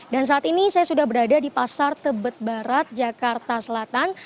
dan saat ini saya sudah berada di pasar tebet barat jakarta selatan